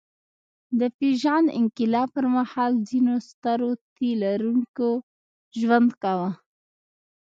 د پېژاند انقلاب پر مهال ځینو سترو تيلرونکي ژوند کاوه.